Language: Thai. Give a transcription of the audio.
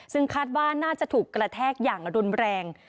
ซึ่งคาดว่าน่าจะถูกกระแทกอย่างรุนแรง